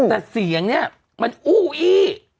แต่เสียงเนี่ยมันอู้อี้